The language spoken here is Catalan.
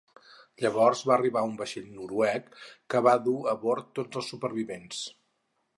Llavors va arribar un vaixell noruec que va dur a bord tots els supervivents.